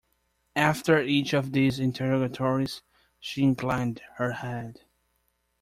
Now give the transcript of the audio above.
After each of these interrogatories, she inclined her head.